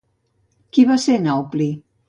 Qui va ser Naupli?